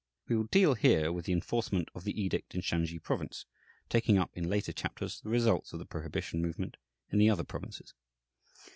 We will deal here with the enforcement of the edict in Shansi Province, taking up in later chapters the results of the prohibition movement in the other provinces.